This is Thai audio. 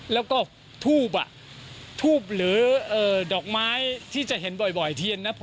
แล้วก็ทูบทูบหรือดอกไม้ที่จะเห็นบ่อยเทียนนะ